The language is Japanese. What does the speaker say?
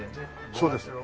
そうです